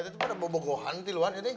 itu pada bobo gok kwai luar